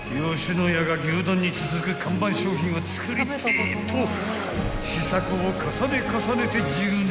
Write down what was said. ［野家が牛丼に続く看板商品を作りてえと試作を重ね重ねて１０年］